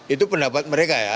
itu pendapat mereka ya